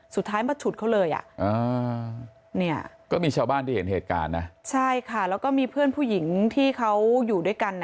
สุดท้ายมาฉุดเขาเลยอ่ะเนี่ยก็มีชาวบ้านที่เห็นเหตุการณ์นะใช่ค่ะแล้วก็มีเพื่อนผู้หญิงที่เขาอยู่ด้วยกัน